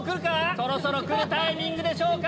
そろそろ来るタイミングでしょうか？